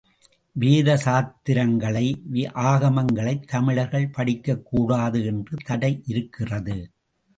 வேத சாத்திரங்களை, ஆகமங்களைத் தமிழர்கள் படிக்கக் கூடாது என்று தடை இருக்கிறது.